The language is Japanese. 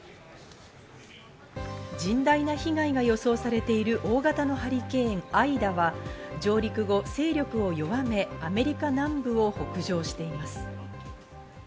甚大な被害が予想されている大型のハリケーン、アイダは上陸後、勢力を弱め、アメリカ南部を北上しています。